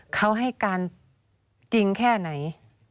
เขาให้การจริงแค่ไหน